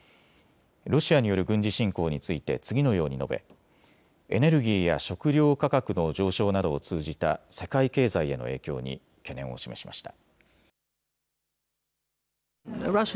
ロシアによる軍事侵攻について次のように述べエネルギーや食料価格の上昇などを通じた世界経済への影響に懸念を示しました。